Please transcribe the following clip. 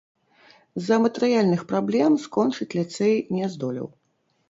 З-за матэрыяльных праблем скончыць ліцэй не здолеў.